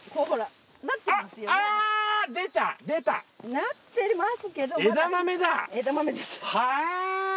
なってますけど。